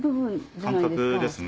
感覚ですね。